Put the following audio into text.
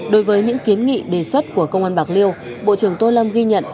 đối với những kiến nghị đề xuất của công an bạc liêu bộ trưởng tô lâm ghi nhận